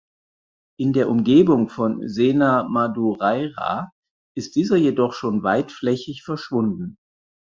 In der Umgebung von Sena Madureira ist dieser jedoch schon weitflächig verschwunden.